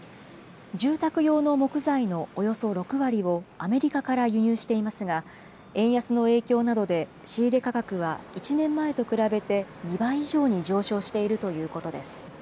住宅用の木材のおよそ６割をアメリカから輸入していますが、円安の影響などで、仕入れ価格は１年前と比べて２倍以上に上昇しているということです。